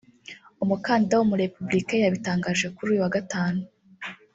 umukandida w’umu-Republicain yabitangaje kuri uyu wa Gatanu